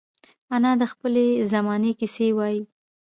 انا د خپلې زمانې کیسې وايي